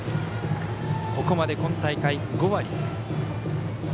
ここまで今大会５割。